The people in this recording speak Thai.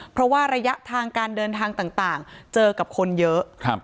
เพราะว่าระยะทางการเดินทางต่างเจอกับคนเยอะ